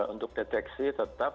untuk deteksi tetap